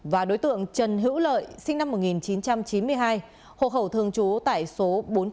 và đối tượng trần hữu lợi sinh năm một nghìn chín trăm chín mươi hai hộp hậu thương chú tại số bốn trăm ba mươi ba